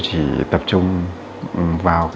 chỉ tập trung vào